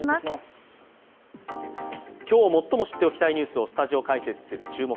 今日最も知っておきたいニュースをスタジオ解説する「注目！